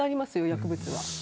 薬物は。